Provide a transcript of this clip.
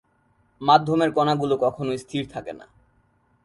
মাধ্যমের কণাগুলো কখনোই স্থির থাকে না।